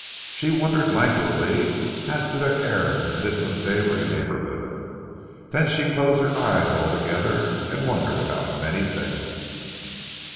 She wondered languidly as to their errand in this unsavoury neighbourhood. Then she closed her eyes altogether and wondered about many things.